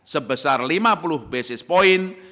sebesar lima puluh basis point